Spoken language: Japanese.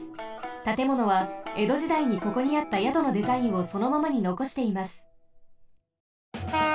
たてものはえど時代にここにあった宿のデザインをそのままにのこしています。